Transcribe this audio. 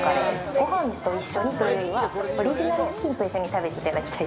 ごはんと一緒にというよりは、オリジナルチキンと一緒に食べていただきたい。